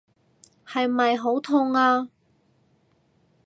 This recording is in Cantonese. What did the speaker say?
係咪好痛啊？